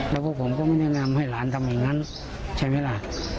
แล้วพวกผมก็ไม่แนะนำให้หลานทำอย่างนั้นใช่ไหมล่ะ